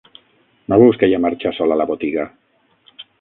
No veus que ja marxa sola la botiga